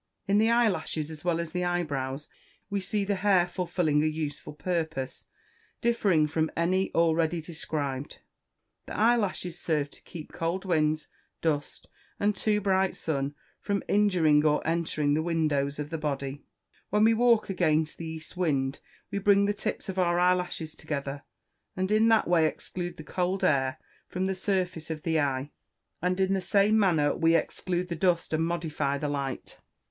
In the eyelashes, as well as the eyebrows, we see the hair fulfilling a useful purpose, differing from any already described. The eyelashes serve to keep cold winds, dust, and too bright sun, from injuring or entering the windows of the body. When we walk against the east wind, we bring the tips of our eyelashes together, and in that way exclude the cold air from the surface of the eye; and in the same manner we exclude the dust and modify the light.